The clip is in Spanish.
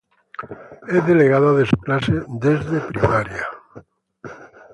Es delegada de su clase desde primaria.